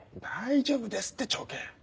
大丈夫ですって長兄。